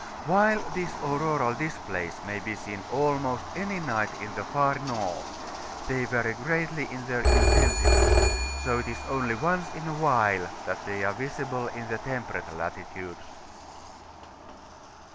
While these auroral displays may be seen almost any night in the far north, they vary greatly in their intensity, so it is only once in a while that they are visible in the temperate latitudes.